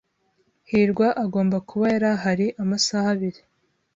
hirwa agomba kuba yarahari amasaha abiri.